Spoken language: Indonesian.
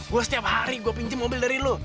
gue setiap hari gue pinjem mobil dari lu